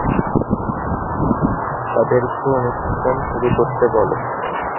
তাদেরকে অনুসন্ধান শুরু করতে বলো।